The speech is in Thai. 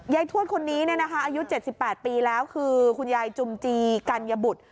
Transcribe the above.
ทวดคนนี้อายุ๗๘ปีแล้วคือคุณยายจุมจีกัญญบุตร